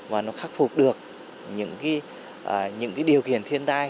và nó khắc phục được những điều kiện thiên tai